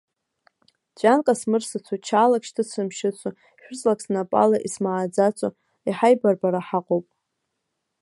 Ҵәҩанк асмырсыцу, чаалак шьҭысымшьыцу, шәырҵлак снапала исмааӡацу, иҳаибарбара ҳаҟоуп.